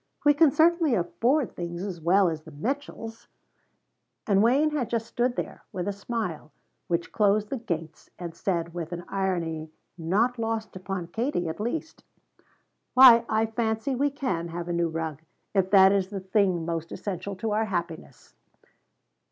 We can certainly afford things as well as the Mitchells." And Wayne had just stood there, with a smile which closed the gates and said, with an irony not lost upon Katie, at least: "Why I fancy we can have a new rug, if that is the thing most essential to our happiness."